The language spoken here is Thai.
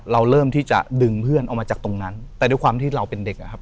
เราเริ่มที่จะดึงเพื่อนออกมาจากตรงนั้นแต่ด้วยความที่เราเป็นเด็กอะครับ